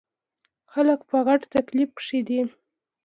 خلک په غټ تکليف کښې دے ـ